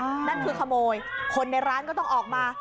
นั่นคือขโมยคนในร้านก็ต้องออกมา